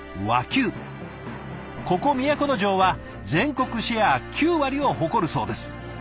ここ都城は全国シェア９割を誇るそうです。